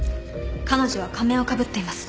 彼女は仮面をかぶっています。